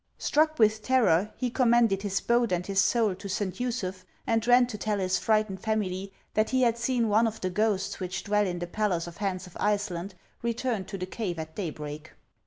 Struck with terror, he commended his boat and his soul to Saint Usuph, and ran to tell his frightened family that he had seen one of the ghosts which dwell in the palace of Hans of Iceland return to the cave at daybreak.